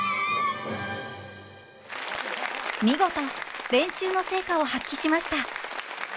見事練習の成果を発揮しました！